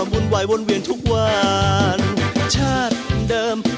ไม่จริงใช่ไหม